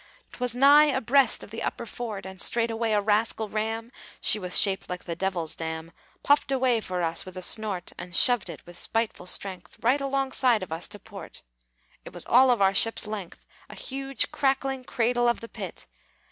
'T was nigh abreast of the Upper Fort, And straightway a rascal ram (She was shaped like the Devil's dam) Puffed away for us, with a snort, And shoved it, with spiteful strength, Right alongside of us to port. It was all of our ship's length, A huge, crackling Cradle of the Pit!